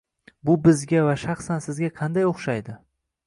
Bu bizga va shaxsan sizga qanday o'xshaydi?